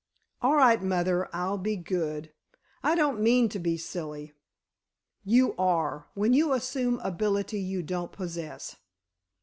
"All right, mother, I'll be good. I don't mean to be silly." "You are, when you assume ability you don't possess."